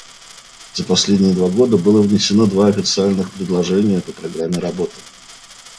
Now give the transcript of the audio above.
За последние два года было внесено два официальных предложения по программе работы.